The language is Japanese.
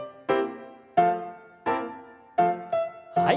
はい。